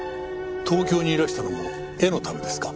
東京にいらしたのも絵のためですか？